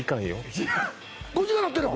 ５時間になってんの！？